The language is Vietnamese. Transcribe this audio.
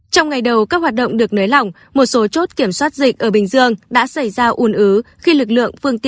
trong ngày đầu các hoạt động được nới lỏng một số chốt kiểm soát dịch ở bình dương đã xảy ra un ứ khi lực lượng phương tiện ra đường tăng lên